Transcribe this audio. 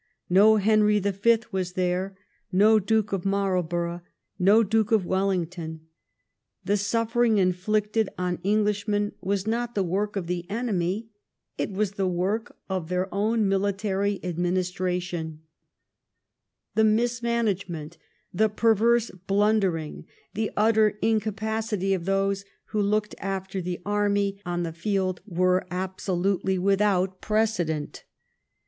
No Henry the Fifth was there, no Duke of Marlborough, no Duke of Wellington. The suffering inflicted on English men was not the work of the enemy; it was the work of their own military administration. The mismanagement, the perverse blundering, the utter incapacity of those who looked after the army J Fourth Earl o; by Mr, D, J. Pound) l84 THE STORY OF GLADSTONE'S LIFE on the field, were absolutely without precedent.